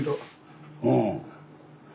うん。